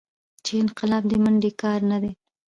چې انقلاب دې منډې کار نه دى.